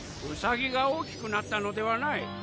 ウサギが大きくなったのではない。